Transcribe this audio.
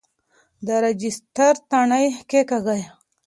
د رجسټر تڼۍ کیکاږئ.